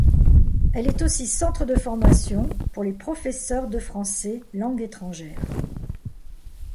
Elle est aussi centre de formation pour les professeurs de français langue étrangère.